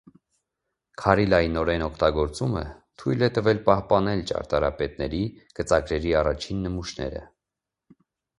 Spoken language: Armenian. Քարի լայնորեն օգտագործումը թույլ է տվել պահպանել ճարտարապետների գծագրերի առաջին նմուշները։